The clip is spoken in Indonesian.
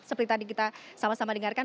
seperti tadi kita sama sama dengarkan